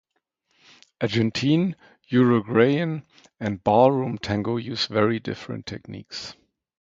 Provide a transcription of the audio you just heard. Argentine, Uruguayan, and Ballroom Tango use very different techniques.